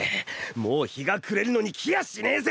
もう日が暮れるのに来やしねえぜ！